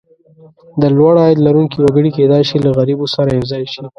د لوړ عاید لرونکي وګړي کېدای شي له غریبو سره یو ځای شي.